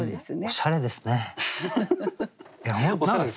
おしゃれですか？